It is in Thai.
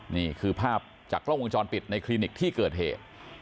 นี่คือภาพจากกล้องวงจรปิดในคลินิกที่เกิดเหตุ